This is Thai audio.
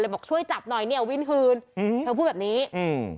บอกช่วยจับหน่อยเนี้ยวินคืนอืมเธอพูดแบบนี้อืม